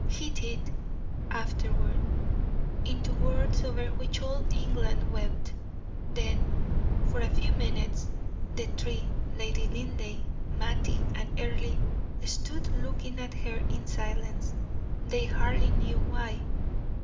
He did, afterward into words over which all England wept. Then, for a few minutes, the three Lady Linleigh, Mattie, and Earle stood looking at her in silence, they hardly knew why.